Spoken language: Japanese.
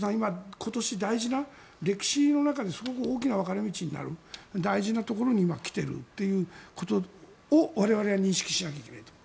今年大事な、歴史の中ですごく大きな分かれ道になる大事なところに来ていると我々は認識しなきゃいけない。